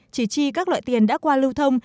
chỉ chi các loại tiền đã qua lưu thông